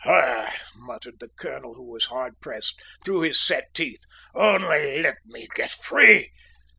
"Ha!" muttered the colonel, who was hard pressed, through his set teeth. "Only let me get free."